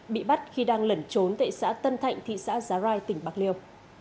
bị bắt khi đang lẩn trốn tại xã tân thạnh thị xã giá rai tỉnh bạc liêu